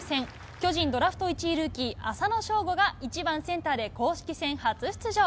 巨人ドラフト１位ルーキー、浅野翔吾が１番センターで公式戦初出場。